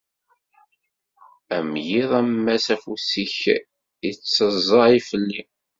Am yiḍ am wass afus-ik ittaẓẓay fell-i.